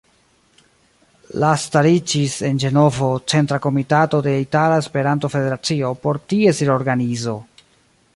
La stariĝis en Ĝenovo Centra Komitato de Itala Esperanto-Federacio por ties reorganizo.